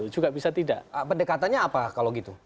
juga bisa tidak